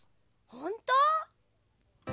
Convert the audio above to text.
ほんと？